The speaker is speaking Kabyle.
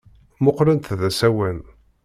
Mmuqqlent d asawen.